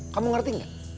kamu ngerti ga